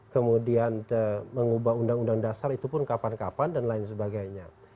kemudian mengubah undang undang dasar itu pun kapan kapan dan lain sebagainya